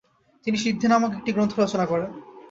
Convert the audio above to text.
তিনি 'সিদ্ধি' নামক একটি গ্রন্থ রচনা করেন।